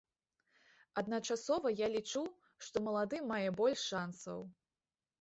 Адначасова я лічу, што малады мае больш шансаў.